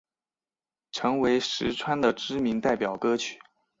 成为实川的知名代表歌曲。